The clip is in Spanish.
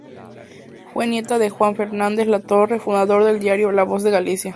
Fue nieta de Juan Fernández Latorre, fundador del diario "La Voz de Galicia".